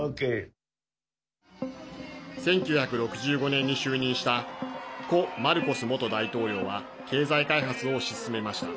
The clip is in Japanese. １９６５年に就任した故マルコス元大統領は経済開発を推し進めました。